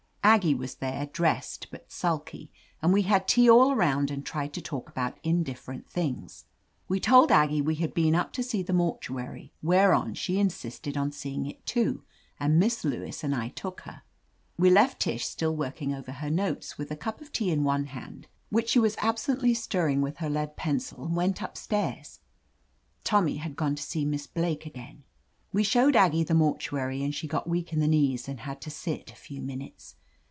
Aggie was there, dressed but sulky, and we had tea all around and tried to talk about indifferent things. We told Aggie we had been up to see the mortuary, whereon she insisted on seeing it, too, and Miss Lewis and I took her. We left Tish still working over her notes, with a cup of tea in one hand, which she was absently stirring with her lead pencil, and went up stairs. Tommy had gone to see Miss Blake again. We showed Aggie the mortuary and she got weak in the knees and had to sit a few minutes.